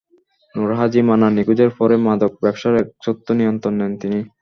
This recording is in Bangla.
নূর হাজি, মান্নান নিখোঁজের পরে মাদক ব্যবসার একচ্ছত্র নিয়ন্ত্রণ নেন তিনি।